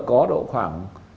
có độ khoảng